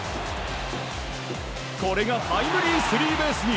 これがタイムリースリーベースに！